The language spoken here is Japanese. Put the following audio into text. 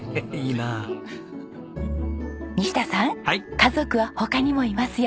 家族は他にもいますよ。